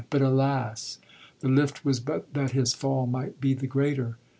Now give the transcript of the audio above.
But alas, the lift was but that his fall might be the greater.